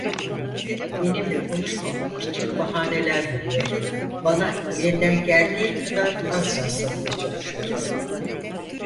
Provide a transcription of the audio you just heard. Benimle konuşmamak için bahaneler buluyor, bana elinden geldiği kadar az rastlamaya çalışıyordu.